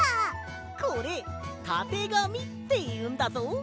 これたてがみっていうんだぞ。